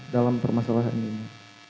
dalam permasalahan ini